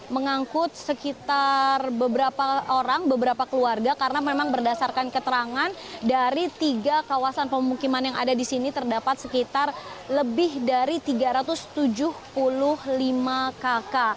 mengangkut sekitar beberapa orang beberapa keluarga karena memang berdasarkan keterangan dari tiga kawasan pemukiman yang ada di sini terdapat sekitar lebih dari tiga ratus tujuh puluh lima kakak